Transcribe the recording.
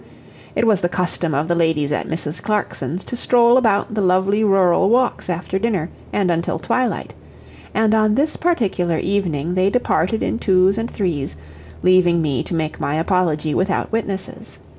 It was the custom of the ladies at Mrs. Clarkson's to stroll about the lovely rural walks after dinner and until twilight; and on this particular evening they departed in twos and threes, leaving me to make my apology without witnesses.